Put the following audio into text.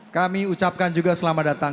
kami ucapkan juga selamat datang